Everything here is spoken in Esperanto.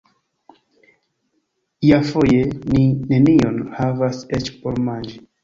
Iafoje ni nenion havas eĉ por manĝi.